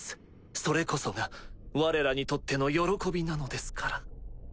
それこそがわれらにとっての喜びなのですから。